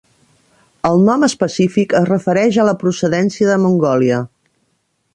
El nom específic es refereix a la procedència de Mongòlia.